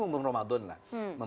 membangun ramadan lah